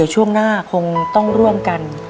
ช่วงหน้าคงต้องร่วมกัน